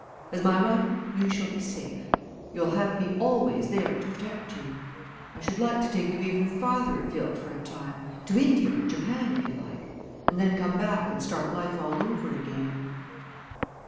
As my wife you shall be safe. You'll have me always there to protect you. I should like to take you even farther afield for a time to India or Japan, if you like and then come back and start life all over again."